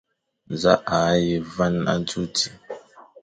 Za a ye van adzo di ?